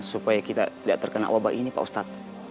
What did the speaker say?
supaya kita tidak terkena wabah ini pak ustadz